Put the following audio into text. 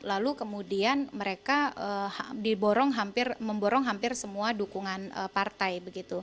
lalu kemudian mereka memborong hampir semua dukungan partai